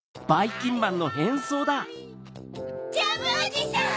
ジャムおじさん！